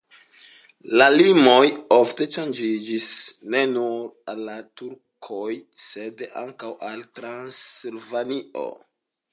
La limoj ofte ŝanĝiĝis ne nur al la turkoj, sed ankaŭ al Transilvanio.